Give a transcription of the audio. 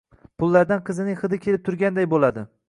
Pullardan qizining hidi kelib turganday boʻladi.